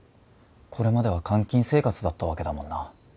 これまでは監禁生活だったわけだもんな。